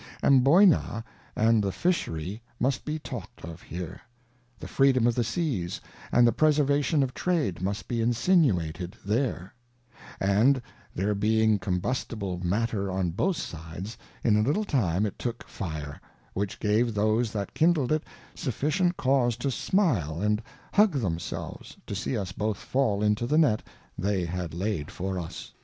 Amboyna and the Fishery must be talkM of here ; the freedom of the Seas, and the preservation of Trade must be insinuated there ; and there being combustible matter on both sides, in a little time it took Fire, which gave those that kindled it, sufficient cause to smile and hug them selves, to see us both fall into the Net they had laid for us.